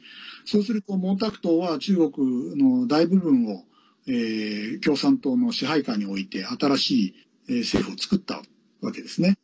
そうすると毛沢東は中国の大部分を共産党の支配下において新しい政府をつくったわけですね。